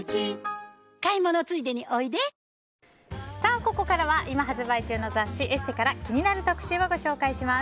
ここからは今発売中の雑誌「ＥＳＳＥ」から気になる特集をご紹介します。